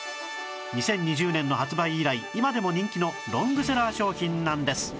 ２０２０年の発売以来今でも人気のロングセラー商品なんです